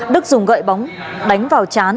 đức dùng gậy bóng đánh vào chán